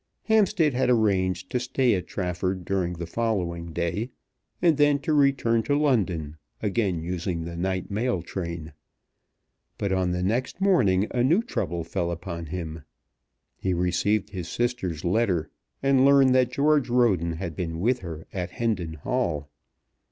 Hampstead had arranged to stay at Trafford during the following day, and then to return to London, again using the night mail train. But on the next morning a new trouble fell upon him. He received his sister's letter, and learned that George Roden had been with her at Hendon Hall.